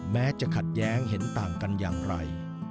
แม้จะขัดแย้งเห็นต่างกันอย่างไร